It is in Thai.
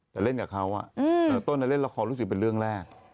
แต่เล่นกับเขาต้นเล่นละครรู้สึกเป็นเรื่องแรก